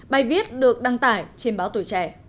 bài viết được đăng tải trên báo tuổi trẻ